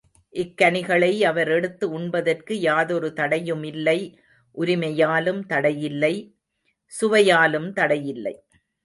இக்கனிகளை அவர் எடுத்து உண்பதற்கு யாதொரு தடையுமில்லை உரிமையாலும் தடையில்லை சுவையாலும் தடையில்லை.